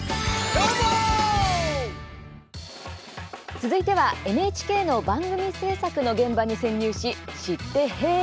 続いてはＮＨＫの番組制作の現場に潜入し知って、へえ！